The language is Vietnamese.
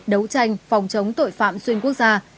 đấu tranh phòng chống tội phạm xuyên quốc gia